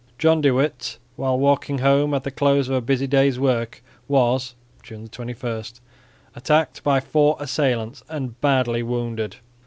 John de Witt, while walking home at the close of a busy day's work was (June 21) attacked by four assailants and badly wounded.